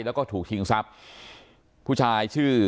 แล้วก็ถูกชิงทรัพย์ผู้ชายชื่อ